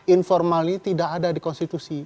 informal ini tidak ada di konstitusi